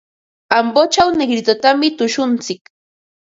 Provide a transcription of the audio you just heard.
Ambochaw Negritotami tushuntsik.